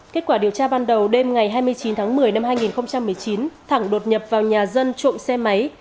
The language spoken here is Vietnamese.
kết quả điều tra ban đầu đêm ngày hai mươi chín tháng một mươi năm hai nghìn một mươi chín thẳng đột nhập vào nhà dân trộm xe máy